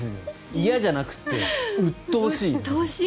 嫌じゃなくて、うっとうしい。